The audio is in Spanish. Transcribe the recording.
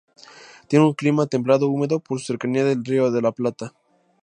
Tiene un clima templado húmedo, por su cercanía al Río de La Plata.